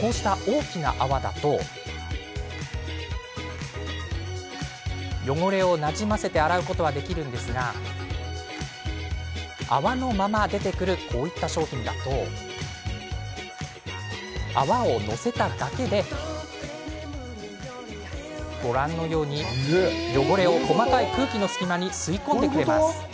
こうした大きな泡だと汚れをなじませて洗うことはできるんですが泡のまま出てくるこういった商品だと泡を乗せただけでご覧のように汚れを細かい空気の隙間に吸い込んでくれます。